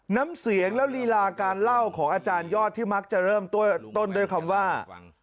น้ำเสียงและลีลาการเล่าของอาจารยอดที่มักจะเริ่มต้นด้วยคำว่า